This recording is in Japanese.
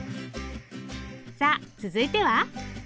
さあ続いては？